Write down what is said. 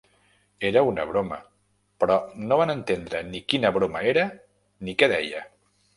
Era un broma, però no van entendre ni quina broma era ni què deia.